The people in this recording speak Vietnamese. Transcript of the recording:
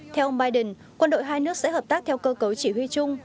theo ông biden quân đội hai nước sẽ hợp tác theo cơ cấu chỉ huy chung